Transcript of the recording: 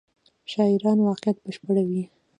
شاعران واقعیت بشپړوي.